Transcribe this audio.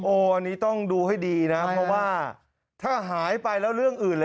อันนี้ต้องดูให้ดีนะเพราะว่าถ้าหายไปแล้วเรื่องอื่นเลย